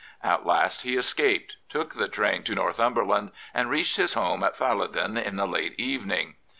At last he escaped, took the train to Northumberland, and reached his home at Fallodon in the late evening.